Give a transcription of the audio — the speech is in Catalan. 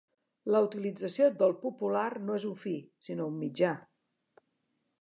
La utilització del popular no és un fi, sinó un mitjà.